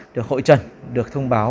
được hội chuẩn được thông báo